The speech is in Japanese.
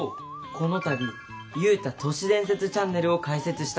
この度ユウタ都市伝説チャンネルを開設したんです。